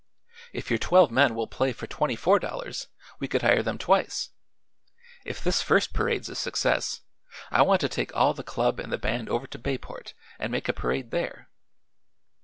If your twelve men will play for twenty four dollars, we could hire them twice. If this first parade's a success, I want to take all the Club and the band over to Bayport, and make a parade there."